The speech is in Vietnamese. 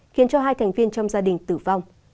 khiến cho hai thành viên trong gia đình tử vong